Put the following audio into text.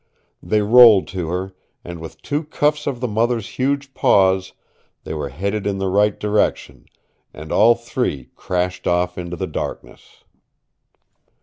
They rolled to her, and with two cuffs of the mother's huge paws they were headed in the right direction, and all three crashed off into darkness.